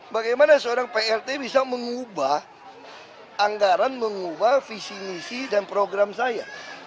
bagaimana seorang plt bisa mengubah anggaran mengubah visi misi dan program saya